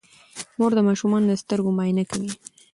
مور د ماشومانو د سترګو معاینه کوي.